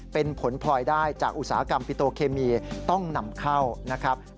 เป็นผลพลอยได้จากอุตสาหกรรมปิโตเคมีต้องนำเข้านะครับ